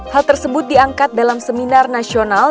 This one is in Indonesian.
hal tersebut diangkat dalam seminar nasional